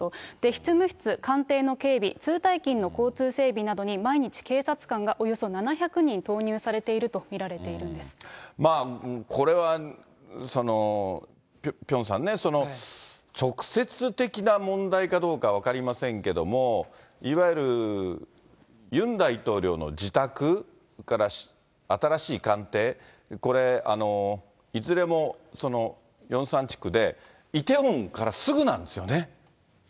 執務室、官邸の警備、通退勤の交通整備などに毎日警察官がおよそ７００人投入されていこれはピョンさんね、直接的な問題かどうか分かりませんけども、いわゆるユン大統領の自宅、それから新しい官邸、これ、いずれもヨンサン地区でイテウォンからすぐなんですよね。